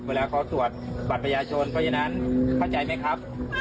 เวลาเขาตรวจบัตรประชาชนเพราะฉะนั้นเข้าใจไหมครับ